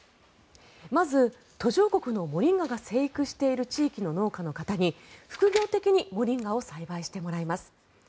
まず、途上国のモリンガが生育している地域の農家の方に副業的にモリンガを栽培してもらいます。